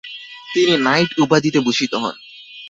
তিনি "নাইট" উপাধিতে ভূষিত হন।